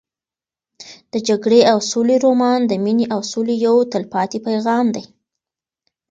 د جګړې او سولې رومان د مینې او سولې یو تلپاتې پیغام دی.